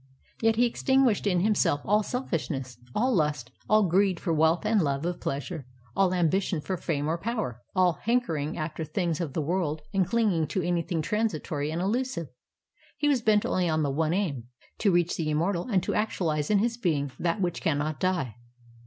Yet he extinguished in himself all selfishness, all lust, all greed for wealth and love of pleasure, all ambition for fame or power, all hanker ing after things of the world and clinging to anything 59 INDIA transiton and illusive. He was bent only on the one aim. to reach the immortal and to actualize in his being that which cannot die.